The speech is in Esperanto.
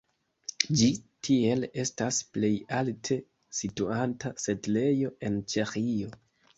Ĝi tiel estas plej alte situanta setlejo en Ĉeĥio.